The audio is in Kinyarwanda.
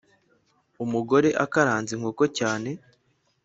umugore akaranze inkoko cyane